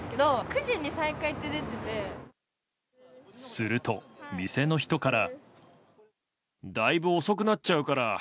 すると、店の人から。